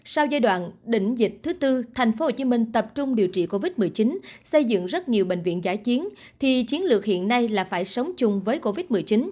sau giai đoạn đỉnh dịch thứ tư tp hcm tập trung điều trị covid một mươi chín xây dựng rất nhiều bệnh viện giải chiến thì chiến lược hiện nay là phải sống chung với covid một mươi chín